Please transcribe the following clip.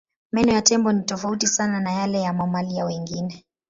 Meno ya tembo ni tofauti sana na yale ya mamalia wengine.